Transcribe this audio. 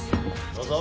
どうぞ。